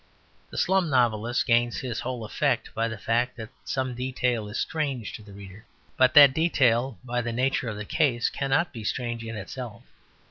The slum novelist gains his whole effect by the fact that some detail is strange to the reader; but that detail by the nature of the case cannot be strange in itself.